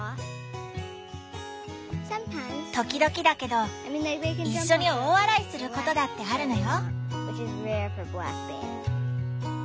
時々だけどいっしょに大笑いすることだってあるのよ。